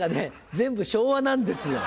全部昭和なんですよ。